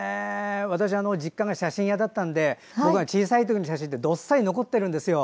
私、実家が写真屋だったので僕が小さい時の写真ってどっさり残ってるんですよ。